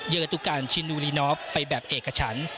เยอร์ตุกัลชินูรีนอฟไปแบบเอกชั้น